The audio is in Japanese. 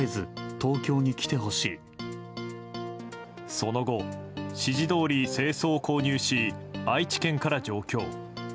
その後、指示どおり正装を購入し愛知県から上京。